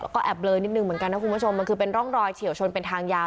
ก็แอบเลอนิดนึงเหมือนกันนะคุณผู้ชมมันคือเป็นร่องรอยเฉียวชนเป็นทางยาว